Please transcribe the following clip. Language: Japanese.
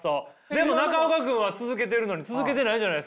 でも中岡君は続けてるのに続けてないじゃないですか？